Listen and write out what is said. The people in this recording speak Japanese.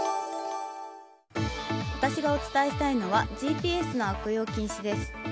私がお伝えしたいのはＧＰＳの悪用禁止です。